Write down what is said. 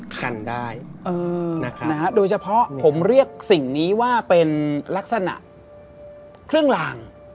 คันได้โดยเฉพาะผมเรียกสิ่งนี้ว่าเป็นลักษณะเครื่องลาง